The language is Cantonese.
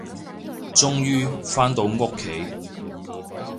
終於，返到屋企